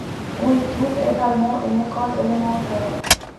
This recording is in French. On y trouve également une école élémentaire.